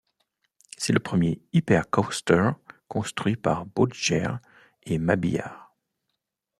C'est le premier Hyper Coaster construit par Bolliger & Mabillard.